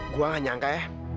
gue gak nyangka ya